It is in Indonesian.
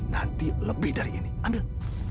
nanti lebih dari ini anda